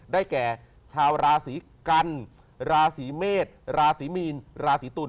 ได้แก่ชาวราศีกันราศีเมษราศีมีนราศีตุล